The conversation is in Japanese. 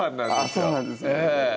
そうなんですね